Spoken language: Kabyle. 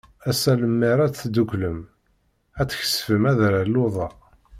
Assa lemmer ad tedduklem, ad tkesbem adrar luḍa.